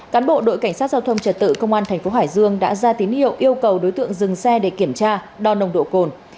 cán bộ đội cảnh sát giao thông trật tự công an thành phố hải dương đã ra tín hiệu yêu cầu đối tượng dừng xe để kiểm tra đo nồng độ cồn